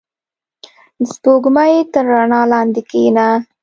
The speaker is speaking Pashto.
• د سپوږمۍ تر رڼا لاندې کښېنه.